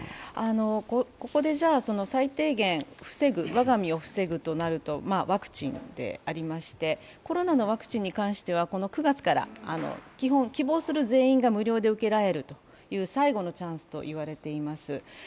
ここで最低限、我が身を防ぐとなるとワクチンでありましてコロナのワクチンに関しては９月から希望する全員が無料で受けられる最後のチャンスと言われています。